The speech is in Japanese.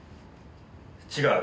違う。